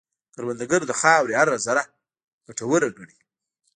کروندګر د خاورې هره ذره ګټوره ګڼي